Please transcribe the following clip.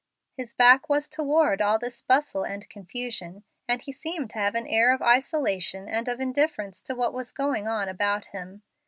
His back was toward all this bustle and confusion, and he seemed to have an air of isolation and of indifference to what was going on about him.